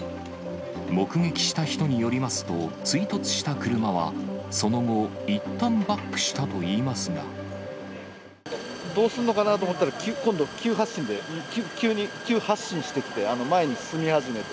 目撃した人によりますと、追突した車はその後、どうするのかなと思ったら、今度、急発進で、急発進してきて、前に進み始めて。